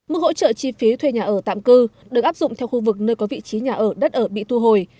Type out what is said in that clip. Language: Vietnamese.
mức hỗ trợ chi phí thuê nhà ở tạm cư được áp dụng theo khu vực nơi có vị trí nhà ở đất ở bị thu hồi